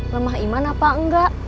lemah iman apa enggak